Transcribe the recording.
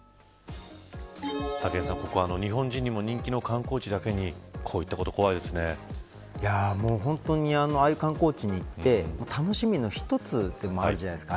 武井さん、ここは日本人にも人気の観光地だけに本当にああいう観光地に行って楽しみの一つでもあるじゃないですか。